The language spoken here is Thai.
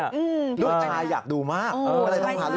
ลูกชายอยากดูมาก